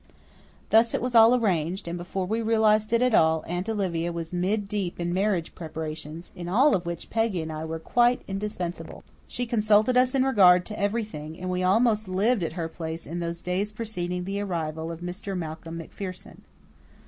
Thus it was all arranged, and, before we realized it at all, Aunt Olivia was mid deep in marriage preparations, in all of which Peggy and I were quite indispensable. She consulted us in regard to everything, and we almost lived at her place in those days preceding the arrival of Mr. Malcolm MacPherson.